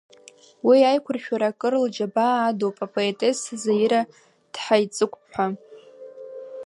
Уи аиқәыршәара акыр лџьабаа адуп апоетесса Заира Ҭҳаиҵыкәԥҳа.